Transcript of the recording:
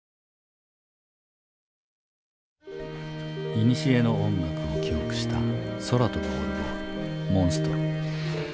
いにしえの音楽を記憶した空飛ぶオルゴール「モンストロ」。